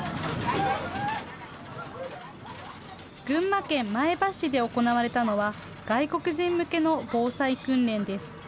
群馬県前橋市で行われたのは、外国人向けの防災訓練です。